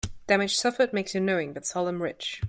Damage suffered makes you knowing, but seldom rich.